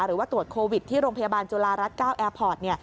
หรือว่าตรวจโควิดที่โรงพยาบาลจุฬารัฐ๙แอร์พอร์ต